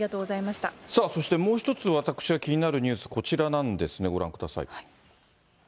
さあ、そしてもう１つ、私が気になるニュース、こちらなんですね、ご覧ください。